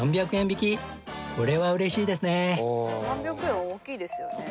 ３００円は大きいですよね。